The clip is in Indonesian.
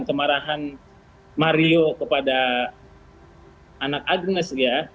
kemarahan mario kepada anak agnes ya